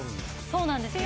そうなんですよ。